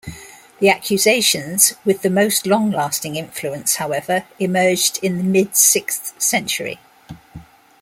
The accusations with the most long-lasting influence, however, emerged in the mid-sixth century.